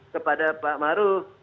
kepada pak ma'ruf